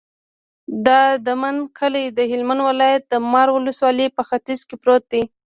د دامن کلی د هلمند ولایت، د مار ولسوالي په ختیځ کې پروت دی.